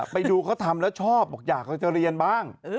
ไปดูเขาทำแล้วชอบบอกอยากเราจะเรียนบ้าง